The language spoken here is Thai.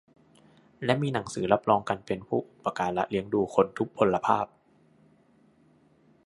และมีหนังสือรับรองการเป็นผู้อุปการะเลี้ยงดูคนทุพพลภาพ